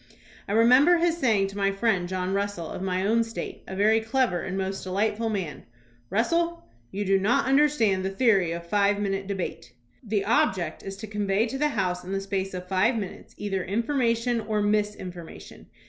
I re member his saying to my friend John Russell of my own State, a very clever and most delightful man: "Russell, you do not understand the theory of five minute debate. The object is to convey to the House in the space of five minutes either information or misinformation.